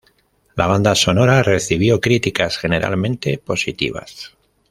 La banda sonora recibió críticas generalmente positivas.